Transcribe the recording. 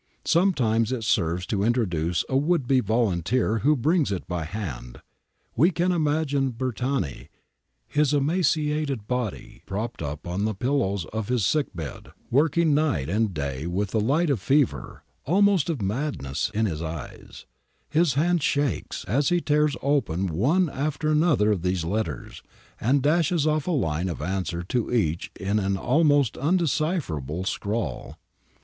Sometimes it serves to introduce a would be volunteer who brings it by hand. We can imagine Bertani, his emaciated body propped up on the pillows of his sick bed, working night and day with the light of fever, almost of madness, in his eyes ; his hand shakes as he tears open one after another of these letters, and dashes off a line of answer to each in an almost in decipherable scrawl.